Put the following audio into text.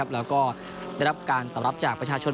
แล้วก็ได้รับการตอบรับจากประชาชน